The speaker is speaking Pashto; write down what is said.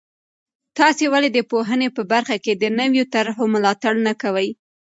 تاسې ولې د پوهنې په برخه کې د نویو طرحو ملاتړ نه کوئ؟